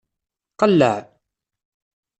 Qelleɛ.